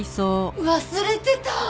忘れてた！